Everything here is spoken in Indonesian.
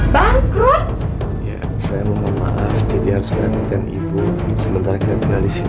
bangkrut saya mohon maaf jadi harus berhentikan ibu sementara kita kembali sini